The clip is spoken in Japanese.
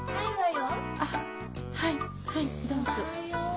あっはいはいどうぞ。